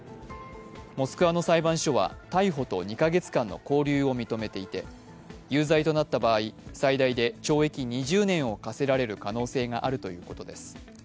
モスクワの裁判所は逮捕と２か月間の勾留を認めていて有罪となった場合、最大で懲役２０年を科せられる可能性があるということです。